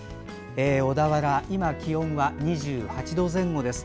小田原の今の気温は２８度前後です。